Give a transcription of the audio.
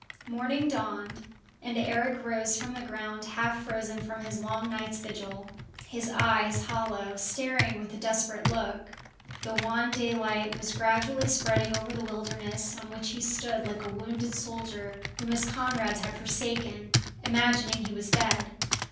Morning dawned, and Eric rose from the ground, half frozen from his long night's vigil, his eyes hollow, staring with a desperate look. The wan daylight was gradually spreading over the wilderness, on which he stood like a wounded soldier whom his comrades had forsaken, imagining he was dead.